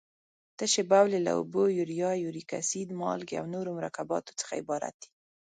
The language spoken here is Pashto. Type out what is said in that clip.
تشې بولې له اوبو، یوریا، یوریک اسید، مالګې او نورو مرکباتو څخه عبارت دي.